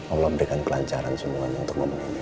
allah memberikan kelancaran semua untuk memenuhi dia